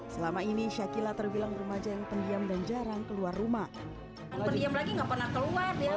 selama ini sakyla terbilang rumah jayang pendiam dan jarang keluar rumah lagi nggak pernah keluar